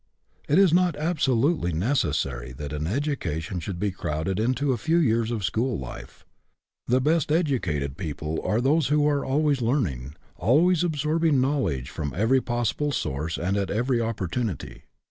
It is not absolutely necessary that an education should be crowded into a few years of school life. The best educated people are those who are always learning, always absorbing knowledge from every possible source and at every opportunity.